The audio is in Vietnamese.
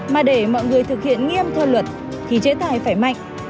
mà để mọi người thực hiện nghiêm theo luật thì chế tài phải mạnh